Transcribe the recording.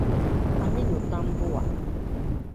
Aminu Tambuwal